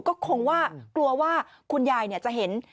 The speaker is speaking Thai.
ก็คงว่ากลัวว่าคุณยายจะเห็น